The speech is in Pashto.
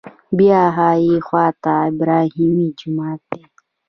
بیا ښي خوا ته ابراهیمي جومات دی.